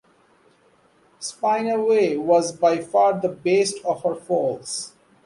Spinaway was by far the best of her foals.